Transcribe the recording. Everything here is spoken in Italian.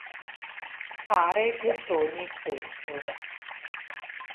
Pare che sogni spesso.